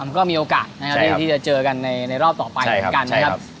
ก็มีโอกาสนะครับที่จะเจอกันในรอบต่อไปเหมือนกันนะครับ